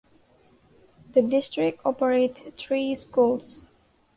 The district operates three schools.